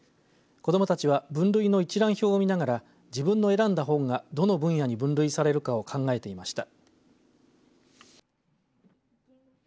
子どもたちは分類の一覧表を見ながら自分の選んだ本が、どの分野に分類されるかを考えていました。